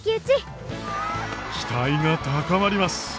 期待が高まります！